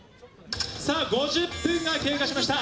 ５０分が経過しました。